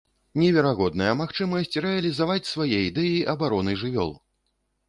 Неверагодная магчымасць рэалізаваць свае ідэі абароны жывёл!